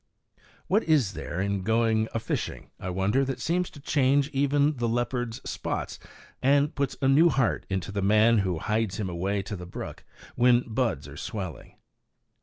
What is there in going a fishing, I wonder, that seems to change even the leopard's spots, and that puts a new heart into the man who hies him away to the brook when buds are swelling?